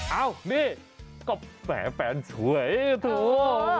เอ้านี่ก็แผนสวยถูก